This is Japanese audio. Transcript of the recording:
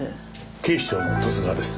警視庁の十津川です。